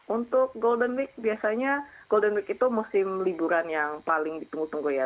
untuk golden week biasanya golden week itu musim liburan yang paling ditunggu tunggu ya